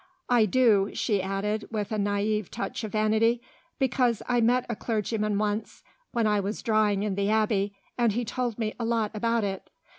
I do," she added, with a naïve touch of vanity, "because I met a clergyman once, when I was drawing in the Abbey, and he told me a lot about it.